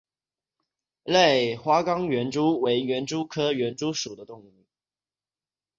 类花岗园蛛为园蛛科园蛛属的动物。